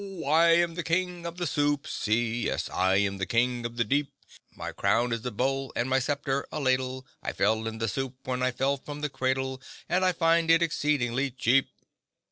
I am the King of the Soup Sea, Yes, I am the King of the Deep; My crown is a bowl and my sceptre a ladle, I fell in the soup when I fell from the cradle, And find it exceedingly cheap!